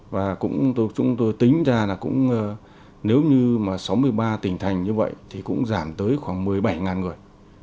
và chúng tôi tính ra là cũng nếu như mà sáu mươi ba tỉnh thành như vậy thì cũng giảm tới khoảng một mươi bảy người